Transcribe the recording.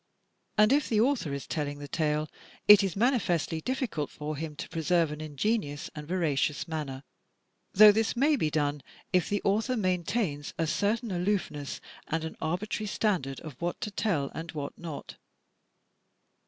And if the author is telling the tale, it is manifestly difficult for him to pre serve an ingenuous and veracious manner, though this may be done if the author maintains a certain aloofness and an arbitrary standard of what to tell and what not.